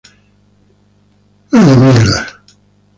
Stick it to the Man!